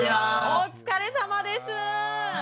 お疲れさまです。